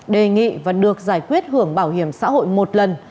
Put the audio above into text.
đề nghị và được giải quyết hưởng bảo hiểm xã hội một lần